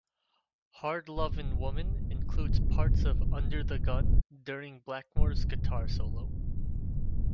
"Hard Lovin' Woman" includes parts of "Under the Gun" during Blackmore's guitar solo.